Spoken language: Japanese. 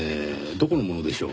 どこのものでしょう？